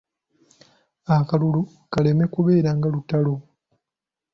Akalulu kaleme kubeera nga lutalo.